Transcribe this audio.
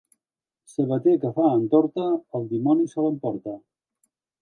Sabater que fa entorta, el dimoni se l'emporta.